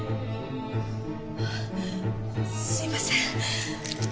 あすいません。